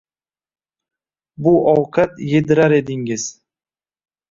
Bu ovqat yedirar edingiz.